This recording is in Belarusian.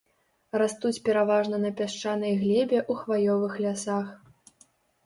Растуць пераважна на пясчанай глебе ў хваёвых лясах.